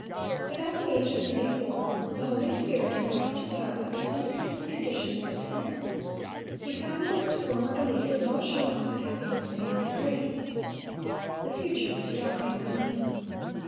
But at the age of thirty four, the Holy Spirit impressed his heart with a sense of his condition as a sinner. He found in his former belief no assurance of happiness beyond the grave. The future was dark and gloomy.